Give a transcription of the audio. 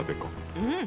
うん。